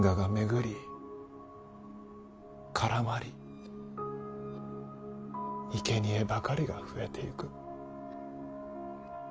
いけにえばかりが増えていく。